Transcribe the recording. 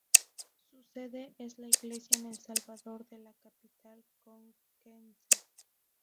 Su Sede es la Iglesia de El Salvador en la capital conquense.